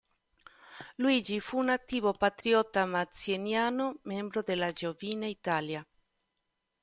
Luigi fu un attivo patriota mazziniano, membro della Giovine Italia.